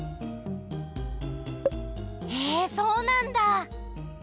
へえそうなんだ。